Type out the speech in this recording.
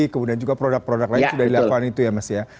kemudian juga produk produk lain sudah dilakukan itu ya mas ya